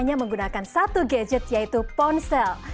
hanya menggunakan satu gadget yaitu ponsel